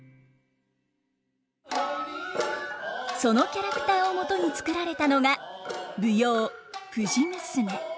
そのキャラクターをもとに作られたのが舞踊「藤娘」。